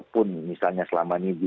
pun misalnya selama ini